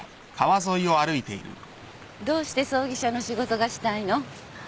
どうして葬儀社の仕事がしたいの？